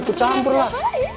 cuman itu campur lah